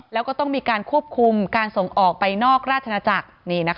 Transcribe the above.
แล้วก็ต้องมีการควบคุมการส่งออกไปนอกราชนาจักร